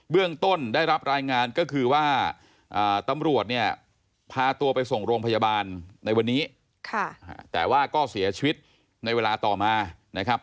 เรื่องต้นได้รับรายงานก็คือว่าตำรวจเนี่ยพาตัวไปส่งโรงพยาบาลในวันนี้แต่ว่าก็เสียชีวิตในเวลาต่อมานะครับ